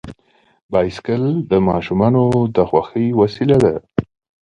بایسکل د ماشومانو د خوښۍ وسیله ده.